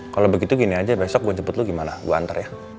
kalau begitu gini aja besok gue cepet lo gimana gue antar ya